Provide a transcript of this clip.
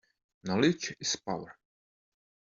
Knowledge is power